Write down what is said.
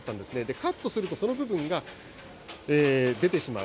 カットすると、その部分が出てしまう。